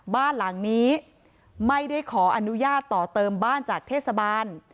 บ้านหลังนี้ไม่ได้ขออนุญาตต่อเติมบ้านจากเทศบาล